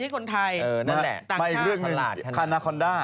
เออนั่นแหละต่างชาติไปอีกเรื่องหนึ่งคันนาคอนด้า